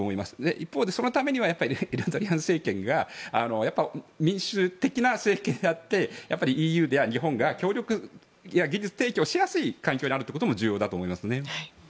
一方でそのためにはエルドアン政権がやっぱり民主的な政権であってＥＵや日本が協力や技術提供しやすい環境にあることも重要だと思いますね。